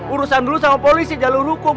urusan dulu sama polisi jalur hukum